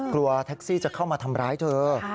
กลัวแท็กซี่จะเข้ามาทำร้ายเธอ